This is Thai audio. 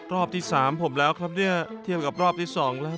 รอบที่สามผมแล้วครับเนี่ยเทียบกับรอบที่สองแล้ว